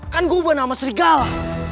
kan gue ubah nama serigala